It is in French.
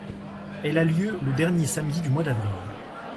Elle a lieu le dernier samedi du mois d'avril.